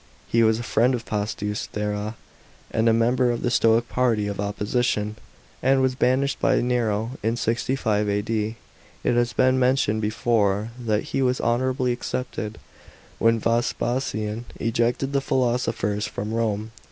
He was a friend of Pastus Thra>ea and a member of the Stoic party of opposition, and was banished by Nero in 65 A.D. It has been mentioned before that he was honourably excepted, when Vespasian ejected the philosophers from Rome.